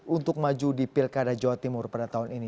untuk maju di pilkada jawa timur pada tahun ini